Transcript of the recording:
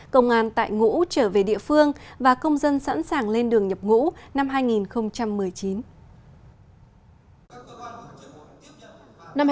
công an tại ngũ trở về địa phương và công dân sẵn sàng lên đường nhập ngũ năm hai nghìn một mươi chín